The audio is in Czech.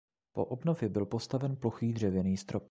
Po obnově byl postaven plochý dřevěný strop.